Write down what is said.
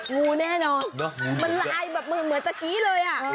งูแน่นอนมันลายเหมือนเมื่อเมื่อกี้เลย